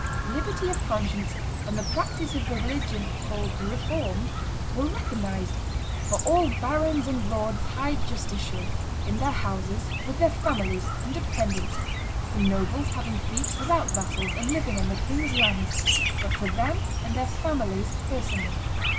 Liberty of conscience and the practice of the religion "called Reformed" were recognized "for all barons and lords high justiciary, in their houses, with their families and dependants; for nobles having fiefs without vassals and living on the king's lands, but for them and their families personally."